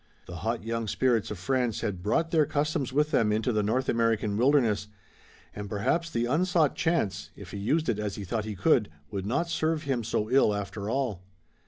The hot young spirits of France had brought their customs with them into the North American wilderness, and perhaps the unsought chance, if he used it as he thought he could, would not serve him so ill after all.